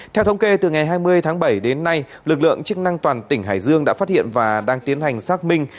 theo thống kê từ ngày hai mươi tháng bảy đến nay lực lượng chức năng toàn tỉnh hải dương đã phát hiện và đang tiến hành xác minh